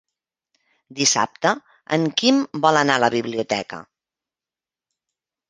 Dissabte en Quim vol anar a la biblioteca.